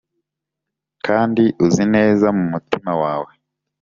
Kandi uzi neza mu mutima wawe